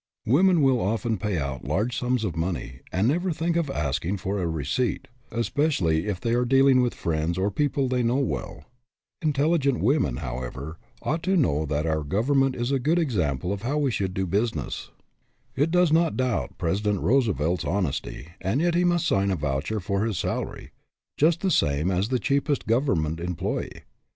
Women will often pay out large sums of money, and never think of asking for a receipt, especially if they are dealing with friends or people they know well. Intelligent women, HAD MONEY. BUT LOST IT 185 however, ought to know that our government is a good example of how we should do busi ness. It does not doubt President Roosevelt's honesty, and yet he must sign a voucher for his salary, just the same as the cheapest government employee.